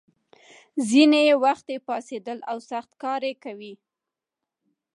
ځینې یې وختي پاڅېدلي او سخت کار کوي.